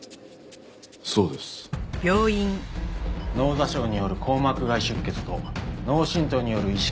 脳挫傷による硬膜外出血と脳振盪による意識